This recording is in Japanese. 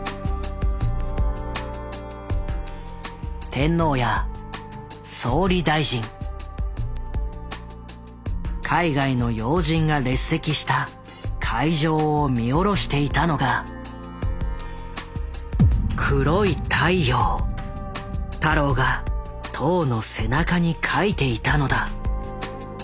天皇や総理大臣海外の要人が列席した会場を見下ろしていたのが太郎が塔の背中に描いていたのだ。